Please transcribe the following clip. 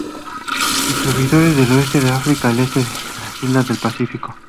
Distribuidos del oeste de África al este de las islas del Pacífico.